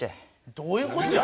どういうこっちゃ？